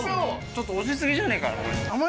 ちょっと推し過ぎじゃねえかな。